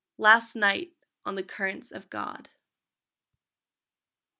_ Last night on the currents of God.